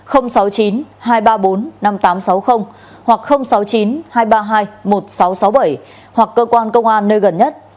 sáu mươi chín hai trăm ba mươi bốn năm nghìn tám trăm sáu mươi hoặc sáu mươi chín hai trăm ba mươi hai một nghìn sáu trăm sáu mươi bảy hoặc cơ quan công an nơi gần nhất